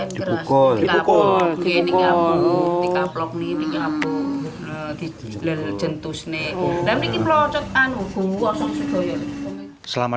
ketika blok ini ini aku jentus nih dan ini pelocotan aku buah